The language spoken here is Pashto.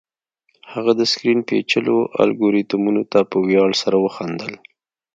هغه د سکرین پیچلو الګوریتمونو ته په ویاړ سره وخندل